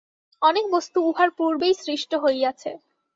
অনেক বস্তু উহার পূর্বেই সৃষ্ট হইয়াছে।